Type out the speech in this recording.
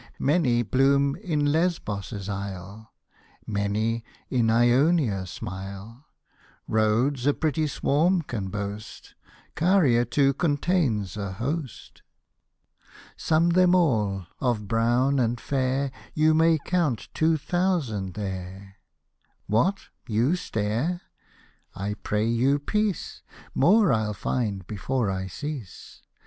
Many bloom in Lesbos' isle ; Many in Ionia smile ; R Hosted by Google 242 ODES OF ANACREON Rhodes a pretty swarm can boast ; Caria too contains a host. Sum them all — of brown and fair You may count two thousand there. What, you stare ? I pray you, peace ! More I'll find before I cease.